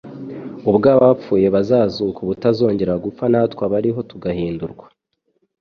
ubwo «abapfuye bazazuka ubutazongera gupfa, natwe abariho tugahindurwa.'»